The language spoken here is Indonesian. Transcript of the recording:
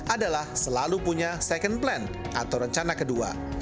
adalah selalu punya second plan atau rencana kedua